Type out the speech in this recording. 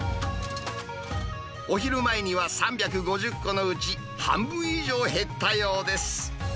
お昼前には３５０個のうち、半分以上減ったようです。